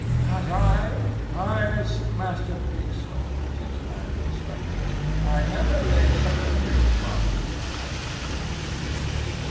"Not I, pious Master Pigsnort," said the man with the spectacles. "I never laid such a great folly to thy charge."